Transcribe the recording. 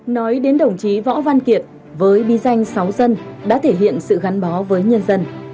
nói đến đồng chí võ văn kiệt với bí danh sáu dân đã thể hiện sự gắn bó với nhân dân